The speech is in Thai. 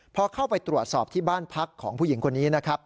พอเข้าไปตรวจสอบที่บ้านพักของผู้หญิงคนนี้นะครับ